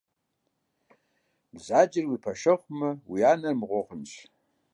Бзаджэр уи пэшэгьумэ уи анэр мыгъуэ хъунщ.